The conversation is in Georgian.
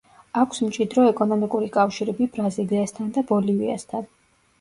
აქვს მჭიდრო ეკონომიკური კავშირები ბრაზილიასთან და ბოლივიასთან.